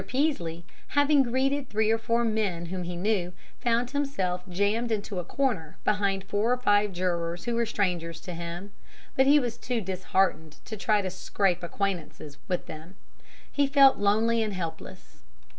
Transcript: Peaslee, having greeted three or four men whom he knew, found himself jammed into a corner behind four or five jurors who were strangers to him, but he was too disheartened to try to scrape acquaintance with them. He felt lonely and helpless.